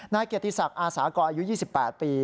นายเกียรติศักดิ์อาสากรอายุ๒๘ปี